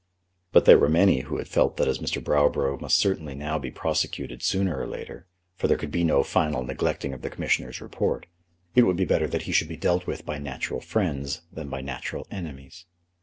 But there were many who had felt that as Mr. Browborough must certainly now be prosecuted sooner or later, for there could be no final neglecting of the Commissioners' report, it would be better that he should be dealt with by natural friends than by natural enemies.